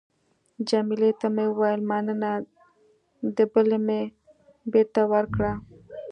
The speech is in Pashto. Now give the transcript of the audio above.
جميله ته مې وویل: مننه. دبلی مې بېرته ورکړ.